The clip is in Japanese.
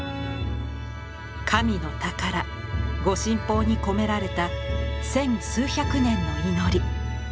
神の宝・御神宝に込められた千数百年の祈り。